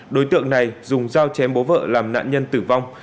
đối tượng này dùng dao chém bố vợ làm nạn nhân tử vong